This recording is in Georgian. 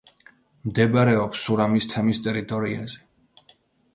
მდებარეობს სურამის თემის ტერიტორიაზე.